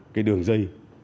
cái đường dây